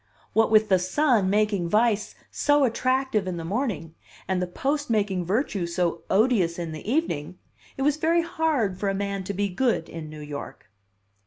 " what with The Sun making vice so attractive in the morning and the Post making virtue so odious in the evening, it was very hard for a man to be good in New York."